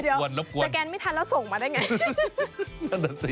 สแกนไม่ทันแล้วส่งมาได้ไง